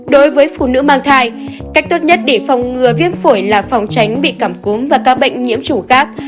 đối với phụ nữ mang thai cách tốt nhất để phòng ngừa viêm phổi là phòng tránh bị cảm cúm và các bệnh nhiễm chủ khác